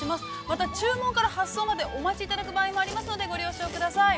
また、注文から発送までお待ちいただく場合もありますのでご了承ください。